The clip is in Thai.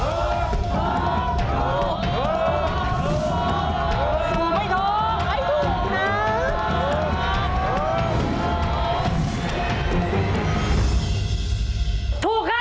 สูงไม่ถูกไม่ถูกนะ